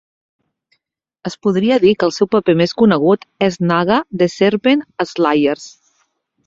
Es podria dir que el seu paper més conegut és Naga the Serpent a "Slayers".